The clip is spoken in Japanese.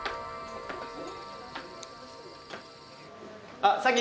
あっ咲希